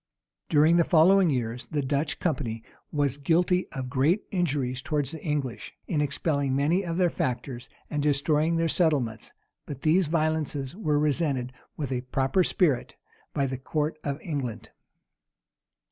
During the following years, the Dutch company was guilty of great injuries towards the English, in expelling many of their factors, and destroying their settlements: but these violences were resented with a proper spirit by the court of England.